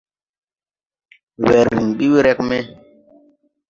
Wɛr rǐŋ ɓi wrɛg me.